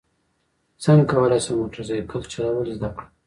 څنګه کولی شم موټر سایکل چلول زده کړم